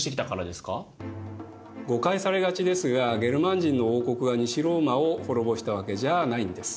誤解されがちですがゲルマン人の王国が西ローマを滅ぼしたわけじゃないんです。